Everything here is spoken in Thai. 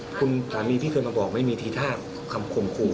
คุณสามีพี่เคยมาบอกไม่มีทีท่าคำข่มขู่